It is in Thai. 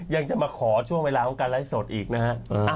ยังจะมาขอช่วงเวลาของการไลฟ์สดอีกนะฮะ